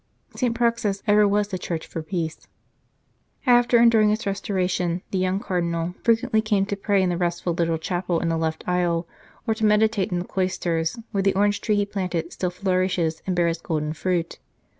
" St. Praxed s ever was the church for peace." After and during its restoration the young Cardinal frequently came to pray in the restful little chapel in the left aisle, or to meditate in the cloisters, where the orange tree he planted still flourishes and bears golden fruit.